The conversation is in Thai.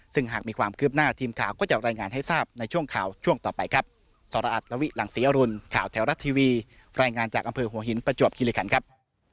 ซึ่งหากมีความคืบหน้าทีมข่าวก็จะรายงานให้ทราบในช่วงข่าวช่วงต่อไปครับ